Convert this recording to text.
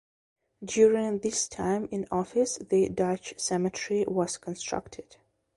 During his time in office the Dutch cemetery was constructed.